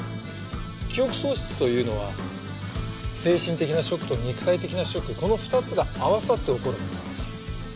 記憶喪失というのは精神的なショックと肉体的なショックこの２つが合わさって起こるものなんです。